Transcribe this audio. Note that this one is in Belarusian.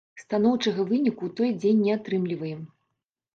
Станоўчага выніку ў той дзень не атрымліваем.